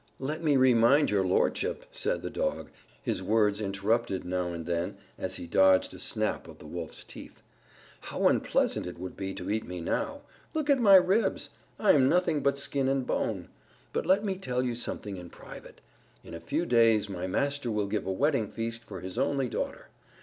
"Let me remind your lordship," said the Dog, his words interrupted now and then as he dodged a snap of the Wolf's teeth, "how unpleasant it would be to eat me now. Look at my ribs. I am nothing but skin and bone. But let me tell you something in private. In a few days my master will give a wedding feast for his only daughter.